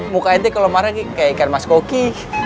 muka ente kalau marah kayak ikan mas koki